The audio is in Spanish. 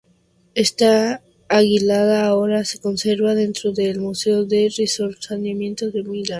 Esta águila ahora se conserva dentro del Museo del Risorgimento en Milán.